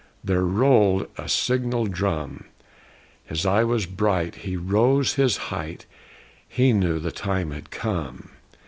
There rolled a signal drum. His eye was bright; he rose his height; He knew the time had come.